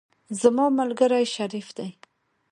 زما ملګری شریف دی.